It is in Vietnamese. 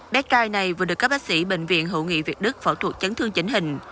bé trai này vừa được các bác sĩ bệnh viện hữu nghị việt đức phẫu thuật chấn thương chỉnh hình